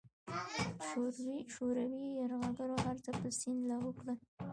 شوروي یرغلګرو هرڅه په سیند لاهو کړل.